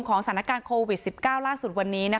สถานการณ์โควิด๑๙ล่าสุดวันนี้